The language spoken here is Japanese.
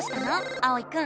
あおいくん。